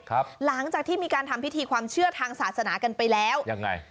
หลังจากที่มีการทำพิธีความเชื่อทางศาสนากันไปแล้วยังไง